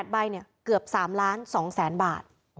๘ใบเนี่ยเกือบ๓๒๐๐๐๐๐บาท